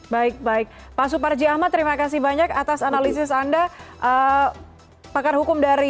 baik baik pak suparji ahmad terima kasih banyak atas analisis anda